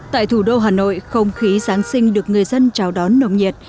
tại thủ đô hà nội không khí giáng sinh được người dân chào đón nồng nhiệt